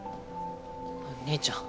兄ちゃん。